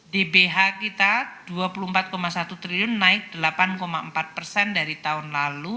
dbh kita dua puluh empat satu triliun naik delapan empat persen dari tahun lalu